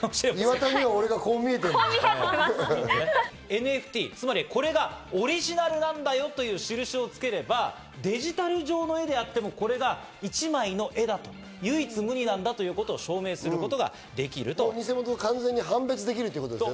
ＮＦＴ、つまりこれがオリジナルなんだよという印を付ければデジタル上の絵であっても、これが一枚の絵だと、唯一無二なんだということを証明することができる。